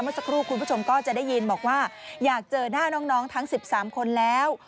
เมื่อสักครู่คุณผู้ชมก็จะได้ยินบอกว่าอยากเจอน่าน้องน้องทั้งสิบสามคนแล้ว